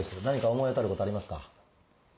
何か思い当たることありますか？